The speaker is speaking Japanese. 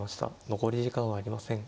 残り時間はありません。